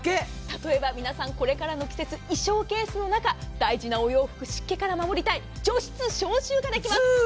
例えば皆さんこれからの季節衣装ケースの中大事なお洋服湿気から守りたい。